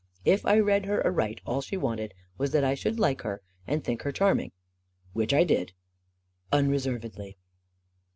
If I read her aright, all she wanted was that I should like her and think her charming. Which I did. Unreservedly.